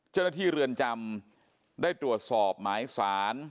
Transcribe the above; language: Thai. เจ้าหน้าที่เรือนจำได้ตรวจสอบหมายสาร